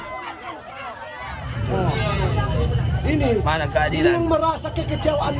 ini ini yang merasa kekejangan